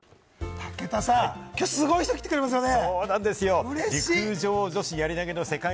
武田さん、きょう、すごい人が来てくれますよね！